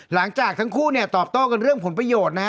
หลังจากทั้งคู่ตอบโต้เรื่องผลประโยชน์